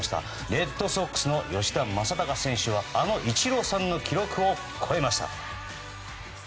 レッドソックスの吉田正尚選手はあのイチローさんの記録を超えました。